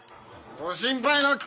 ご心配なく！